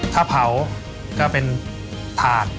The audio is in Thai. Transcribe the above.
ถ้าเผาก็เป็นถาด